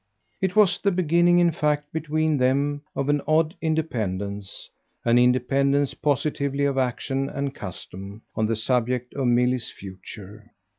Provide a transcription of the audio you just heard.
It was the beginning in fact between them of an odd independence an independence positively of action and custom on the subject of Milly's future.